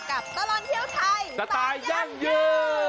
กับตลอดเที่ยวไทยสตายังอยู่